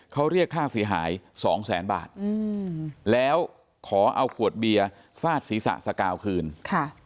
เขาเรียกค่าเสียหายสองแสนบาทอืมแล้วขอเอาขวดเบียร์ฟาดศีรษะสกาวคืนค่ะ